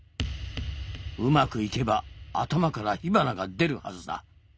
うまくいけば頭から火花が出るはずだ。